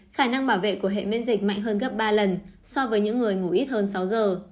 khả năng bảo vệ của hệ miễn dịch mạnh hơn gấp ba lần so với những người ngủ ít hơn sáu giờ